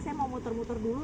saya mau muter muter dulu